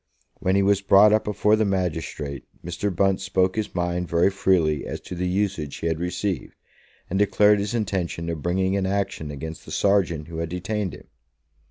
When he was brought up before the magistrate, Mr. Bunce spoke his mind very freely as to the usage he had received, and declared his intention of bringing an action against the sergeant who had detained him.